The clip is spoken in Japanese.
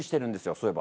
そういえば。